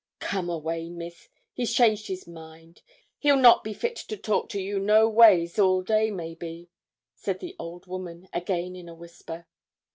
'Come away, miss: he's changed his mind; he'll not be fit to talk to you noways all day, maybe,' said the old woman, again in a whisper.